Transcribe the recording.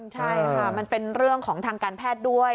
ใช่ค่ะมันเป็นเรื่องของทางการแพทย์ด้วย